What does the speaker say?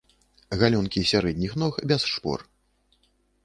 Галёнкі сярэдніх ног без шпор.